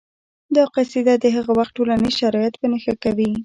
دا قصیده د هغه وخت ټولنیز شرایط په نښه کوي